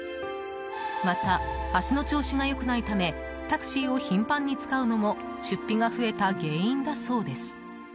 また、足の調子が良くないためタクシーを頻繁に使うのも出費が増えた原因だそうです。